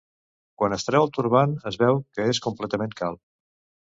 Quan es treu el turbant, es veu que és completament calb.